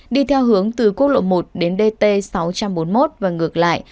đi theo hướng từ quốc lộ một đến dt sáu trăm bốn mươi một và ngược lại